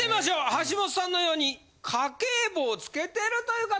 橋本さんのように家計簿をつけてるという方！